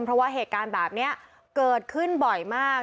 เพราะว่าเหตุการณ์แบบนี้เกิดขึ้นบ่อยมาก